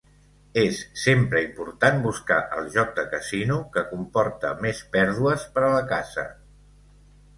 Es sempre important buscar el joc de casino que comporta més pèrdues per a la casa.